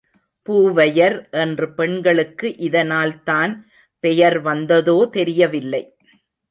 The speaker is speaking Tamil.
பூவையர் என்று பெண்களுக்கு இதனால் தான் பெயர் வந்ததோ தெரியவில்லை.